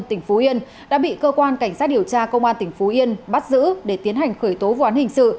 tỉnh phú yên đã bị cơ quan cảnh sát điều tra công an tỉnh phú yên bắt giữ để tiến hành khởi tố vụ án hình sự